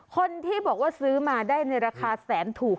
คนที่บอกว่าซื้อมาได้ในราคาแสนถูก